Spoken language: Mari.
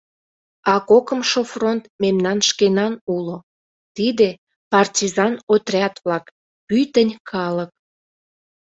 — А кокымшо фронт мемнан шкенан уло: тиде — партизан отряд-влак, пӱтынь калык.